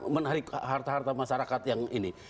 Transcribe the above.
menarik harta harta masyarakat yang ini